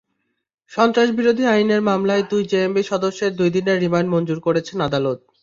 সন্ত্রাসবিরোধী আইনের মামলায় দুই জেএমবি সদস্যের দুই দিনের রিমান্ড মঞ্জুর করেছেন আদালত।